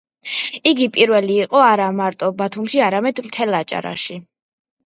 იგი პირველი იყო არა მარტო ბათუმში, არამედ მთელს აჭარაში.